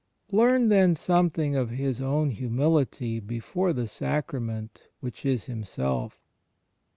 Learn, then, something of His own Hiunility before the Sacrament which is Himself.